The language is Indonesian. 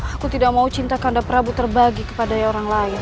aku tidak mau cintakanda prabu terbagi kepada orang lain